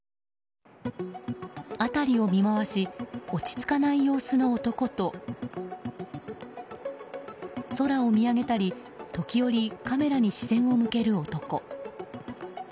辺りを見回し落ち着かない様子の男と空を見上げたり時折カメラに視線を向ける男。